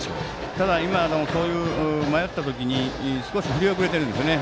ただ、そういう迷った時に少し振り遅れてるんですよね。